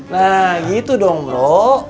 nah gitu dong bro